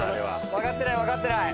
分かってない分かってない。